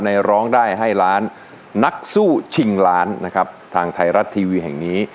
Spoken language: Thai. ร้องได้ให้ล้านนักสู้ชิงล้านนะครับทางไทยรัฐทีวีแห่งนี้